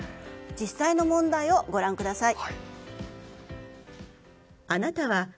実際の問題をご覧ください。